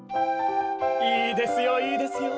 いいですよいいですよ。